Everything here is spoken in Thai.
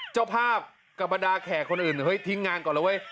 เจ้าภาพกับบรรดาแขกคนอื่นเฮ้ยทิ้งงานก่อนแล้วเว้ย